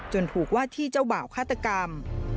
ถูกว่าที่เจ้าบ่าวฆาตกรรม